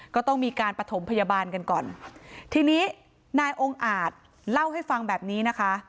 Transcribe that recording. ก็ต้องมีการประถมพยาบาลกันก่อนทีนี้นายองค์อาจเล่าให้ฟังแบบนี้นะคะ